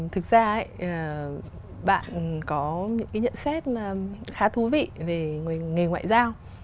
thực ra bạn có những cái nhận xét khá thú vị về nghề ngoại giao